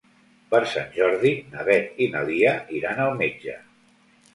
Per Sant Jordi na Beth i na Lia iran al metge.